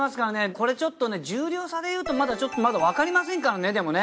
これちょっとね重量差でいうとまだちょっとわかりませんからねでもね。